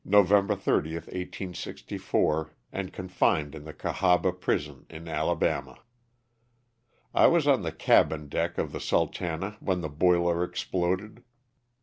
November 30th, 1864, and confined in the Cahaba prison in Alabama. I was on the cabin deck of the "Sultana" when the boiler exploded.